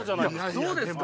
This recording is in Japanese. そうですか？